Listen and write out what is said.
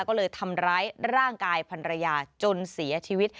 ก็เลยทำร้ายร่างกายพันรยาจนเสียชีวิต